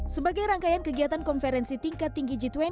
sebagai rangkaian kegiatan konferensi tingkat tinggi g dua puluh